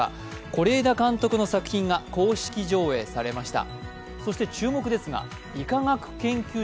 是枝監督の作品が公式上映されました。